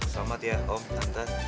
selamat ya om tante